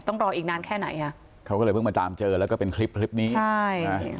ต้องรออีกนานแค่ไหนอ่ะเขาก็เลยเพิ่งมาตามเจอแล้วก็เป็นคลิปคลิปนี้ใช่นะ